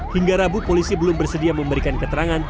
hingga rabu polisi belum bersedia memberikan keterangan